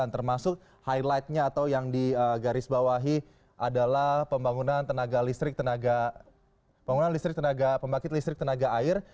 termasuk highlightnya atau yang digarisbawahi adalah pembangunan listrik tenaga air